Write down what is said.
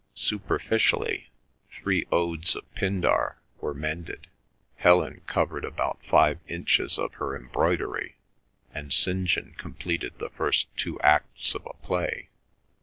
Superficially, three odes of Pindar were mended, Helen covered about five inches of her embroidery, and St. John completed the first two acts of a play.